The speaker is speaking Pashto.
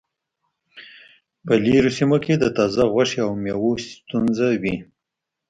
په لرې سیمو کې د تازه غوښې او میوو ستونزه وي